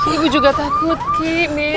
ibu juga takut kik mir